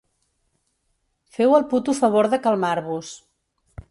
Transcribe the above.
Feu el puto favor de calmar-vos.